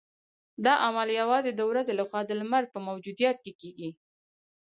دا عمل یوازې د ورځې لخوا د لمر په موجودیت کې کیږي